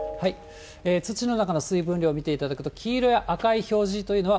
土の中の水分量、見ていただくと、黄色や赤い表示というのは、